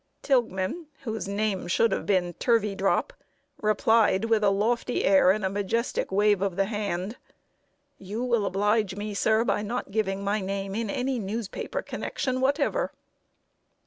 Tilghman, whose name should have been Turveydrop, replied, with a lofty air and a majestic wave of the hand: "You will oblige me, sir, by not giving my name in any newspaper connection whatever!"